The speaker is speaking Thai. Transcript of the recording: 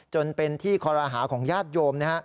จนเป็นที่คอรหาของญาติโยมนะฮะ